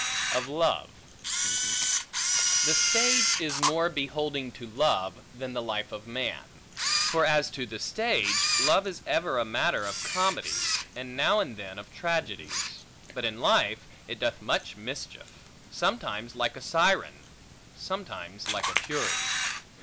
Of Love THE stage is more beholding to love, than the life of man. For as to the stage, love is ever matter of comedies, and now and then of tragedies; but in life it doth much mischief; sometimes like a siren, sometimes like a fury.